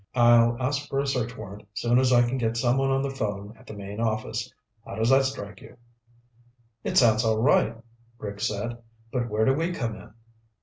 I'll ask for a search warrant soon as I can get someone on the phone at the main office. How does that strike you?" "It sounds all right," Rick said. "But where do we come in?"